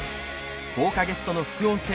豪華ゲストの副音声